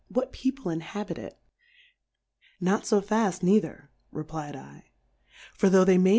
What People inhabit it ? Not fo faft neither, re^lfd I\ for tho' they may